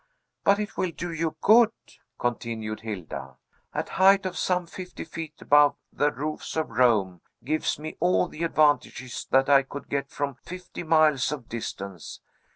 "But it will do you good," continued Hilda. "A height of some fifty feet above the roofs of Rome gives me all the advantages that I could get from fifty miles of distance.